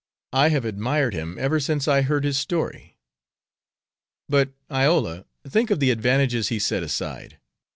I have admired him ever since I heard his story." "But, Iola, think of the advantages he set aside.